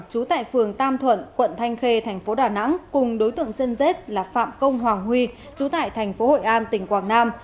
trú tại phường tam thuận quận thanh khê tp đà nẵng cùng đối tượng chân dết là phạm công hoàng huy trú tại tp hội an tp quảng nam